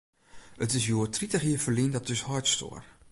It is hjoed tritich jier ferlyn dat ús heit stoar.